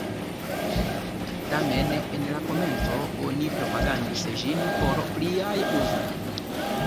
Tamen, en la komenco, oni propagandis ĝin por pliaj uzoj.